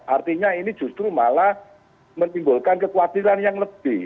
artinya ini justru malah menimbulkan kekhawatiran yang lebih